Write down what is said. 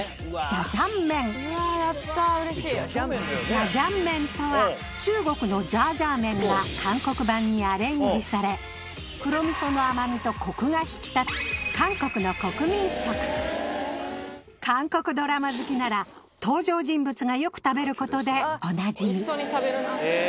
ジャジャン麺とは中国のジャージャー麺が韓国版にアレンジされ黒味噌の甘味とコクが引き立つ韓国ドラマ好きなら登場人物がよく食べることでおなじみ